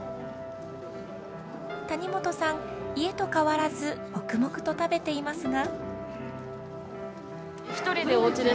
谷本さん家と変わらず黙々と食べていますが。